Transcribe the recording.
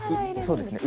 そうですね。